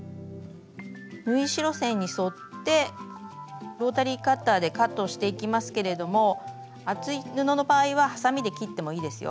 縫い代線に沿ってロータリーカッターでカットしていきますけれども厚い布の場合ははさみで切ってもいいですよ。